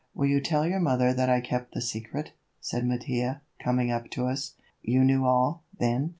"Will you tell your mother that I kept the secret?" said Mattia, coming up to us. "You knew all, then?"